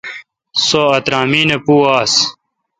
سو اترامین پو آس۔